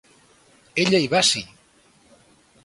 Ella i Basie!